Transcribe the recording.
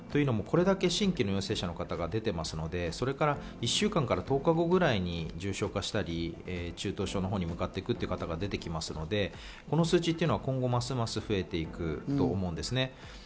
これだけ新規の陽性者の方が出ていますので、１週間から１０日後ぐらいに重症化したり中等症のほうに向かっていくということが出てきますので、この数字は今後ますます増えていくと思うんですね。